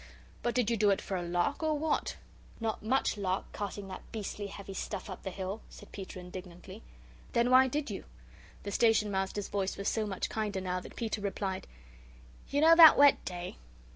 But did you do it for a lark or what?" "Not much lark carting that beastly heavy stuff up the hill," said Peter, indignantly. "Then why did you?" The Station Master's voice was so much kinder now that Peter replied: "You know that wet day?